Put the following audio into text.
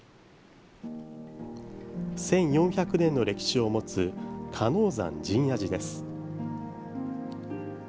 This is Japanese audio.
１４００年の歴史を持つ鹿野山神野寺です。